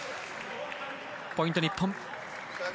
ポイント、日本。